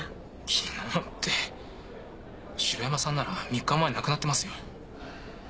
昨日って城山さんなら３日前亡くなってますよ。